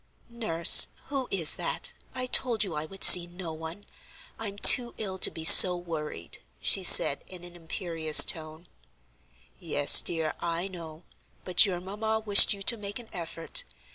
"Nurse, who is that? I told you I would see no one. I'm too ill to be so worried," she said, in an imperious tone. [Illustration: HELEN CARROL] "Yes, dear, I know, but your mamma wished you to make an effort.